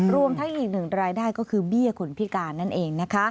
รวมทั้งอีกหนึ่งรายได้ก็คือเบี้ยคนพิการนั่นเองนะคะ